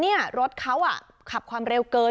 นี่รถเขาขับความเร็วเกิน